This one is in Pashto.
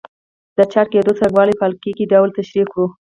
د چارج کېدو څرنګوالی په القايي ډول تشریح کړو.